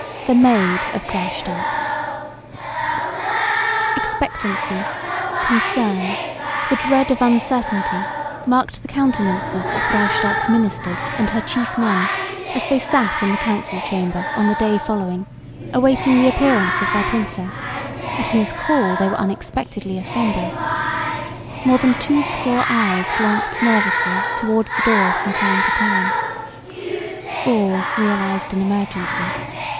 THE MAID OF GRAUSTARK Expectancy, concern, the dread of uncertainty marked the countenances of Graustark's ministers and her chief men as they sat in the council chamber on the day following, awaiting the appearance of their Princess, at whose call they were unexpectedly assembled. More than two score eyes glanced nervously toward the door from time to time. All realized an emergency.